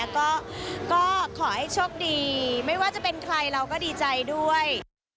ก็ขอให้โชคดีไม่ว่าจะเป็นใครเราก็ดีใจด้วย